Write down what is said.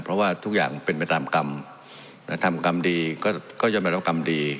เพราะว่าทุกอย่างเป็นเป็นตามกรรมแต่ทำกรรมดีก็ก็ยังไม่รับกรรมดี